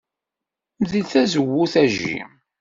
Mdel tazewwut a Jim.